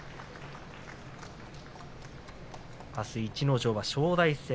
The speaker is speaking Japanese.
あす逸ノ城は正代戦。